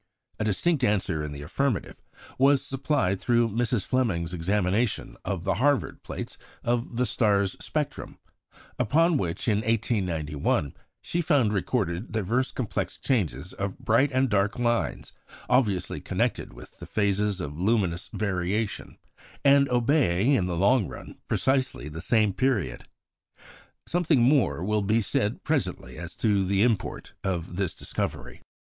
A distinct answer in the affirmative was supplied through Mrs. Fleming's examination of the Harvard plates of the star's spectrum, upon which, in 1891, she found recorded diverse complex changes of bright and dark lines obviously connected with the phases of luminous variation, and obeying, in the long run, precisely the same period. Something more will be said presently as to the import of this discovery.